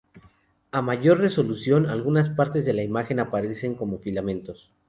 A mayor resolución, algunas partes de la imagen aparecen como filamentos.